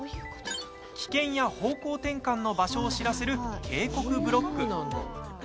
危険や方向転換の場所を知らせる警告ブロック。